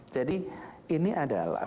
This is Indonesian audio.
jadi ini adalah